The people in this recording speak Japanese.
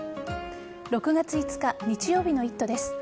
６月５日日曜日の「イット！」です。